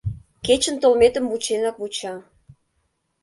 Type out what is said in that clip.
Кечын толметым вученак вуча.